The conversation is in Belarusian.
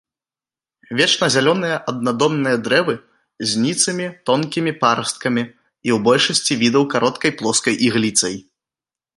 Вечназялёныя, аднадомныя дрэвы з ніцымі тонкімі парасткамі і ў большасці відаў кароткай плоскай ігліцай.